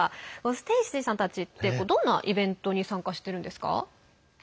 ステイシーさんたちってどんなイベントに参加してるんですか？